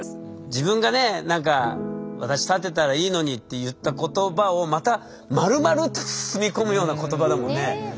自分がね何か私立てたらいいのにって言った言葉をまたまるまる包み込むような言葉だもんね。